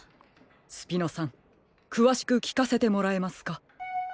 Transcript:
スピノさんくわしくきかせてもらえますか？